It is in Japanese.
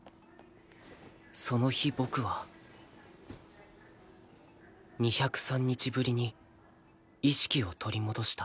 その日僕は２０３日ぶりに意識を取り戻した